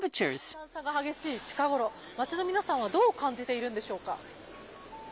寒暖差が激しい近頃、街の皆さんはどう感じているんでしょうか。